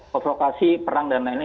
provokasi perang dan lain lain